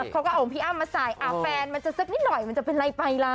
เขาก็เอาพี่อ้ำมาสายอ้าวแฟนมันจะเสร็จนิดหน่อยมันจะเป็นไรไปละ